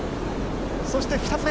そして２つ目。